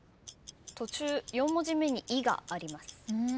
途中４文字目に「い」があります。